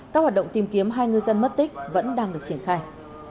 các hoạt động tìm kiếm hai ngư dân mất tích vẫn đang được triển khai